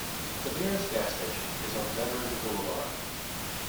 The nearest gas station is on Veterans Boulevard.